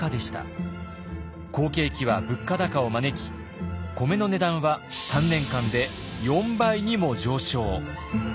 好景気は物価高を招き米の値段は３年間で４倍にも上昇。